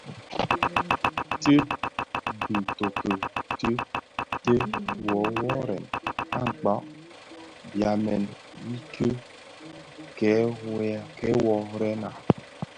Ti bitoki yi tè woworèn akpaň byamèn yiiki kè worrena,